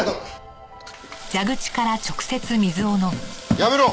やめろ！